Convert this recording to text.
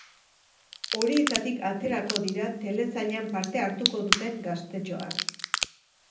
Horietatik aterako dira telesailean parte hartuko duten gaztetxoak.